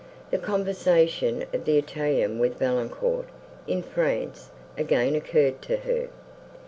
The conversation of the Italian with Valancourt, in France, again occurred to her.